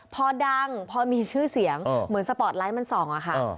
พอดังพอมีชื่อเสียงเหมือนสปอร์ตไลท์มันส่องอะค่ะ